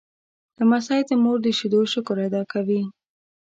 لمسی د مور د شیدو شکر ادا کوي.